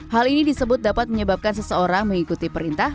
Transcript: hal ini disebut dapat menyebabkan seseorang mengikuti perintah